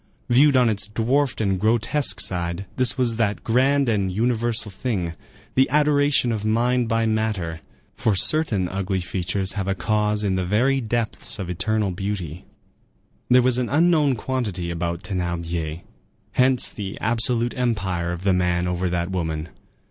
Viewed on its dwarfed and grotesque side, this was that grand and universal thing, the adoration of mind by matter; for certain ugly features have a cause in the very depths of eternal beauty. There was an unknown quantity about Thénardier; hence the absolute empire of the man over that woman.